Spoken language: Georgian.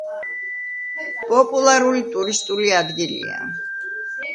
პოპულარული ტურისტული ადგილია.